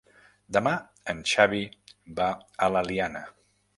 Demà en Xavi va a l'Eliana.